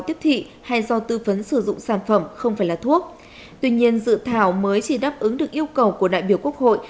tiếp theo chương trình sẽ là một điểm báo